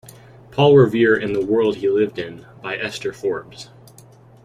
Paul Revere And The World he Lived In, By Ester Forbes.